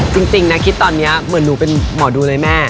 จริงนะคิดตอนนี้เหมือนหนูเป็นหมอดูเลยแม่